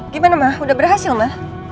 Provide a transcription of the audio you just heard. gimana ma udah berhasil ma